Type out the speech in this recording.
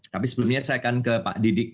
tapi sebelumnya saya akan ke pak didik